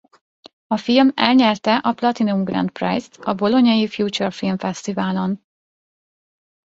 A film elnyerte a Platinum Grand Prize-t a bolognai Future Film Festival-on.